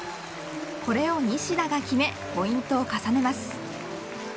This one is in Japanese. これを西田が決めポイントを重ねます。